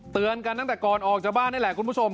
เตือนกันตั้งแต่ก่อนออกจากบ้านนี่แหละคุณผู้ชม